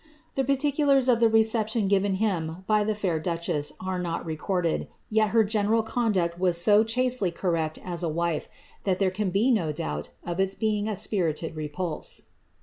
The particulars of the reception given le &x duchess are not recorded, yet her general conduct was ly correct as a wife, that there can be no doubt of its being a BpuUe.